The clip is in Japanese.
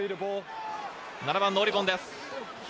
７番のオリヴォンです。